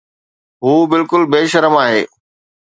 هو بلڪل بي شرم آهي